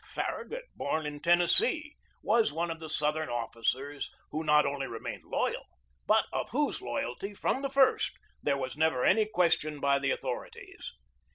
Farragut, born in Tennessee, was one of the Southern officers who not only remained loyal, but of whose loyalty from the first there was never any question by the authorities.